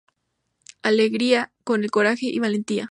Alegria, con el coraje y valentía...